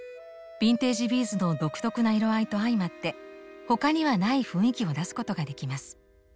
ビンテージビーズの独特な色合いと相まって他にはない雰囲気を出すことができます。